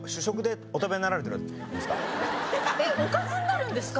おかずになるんですか？